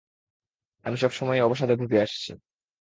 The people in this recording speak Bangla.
আমি সবসমই অবসাদে ভুগে আসছি।